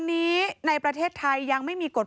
พบหน้าลูกแบบเป็นร่างไร้วิญญาณ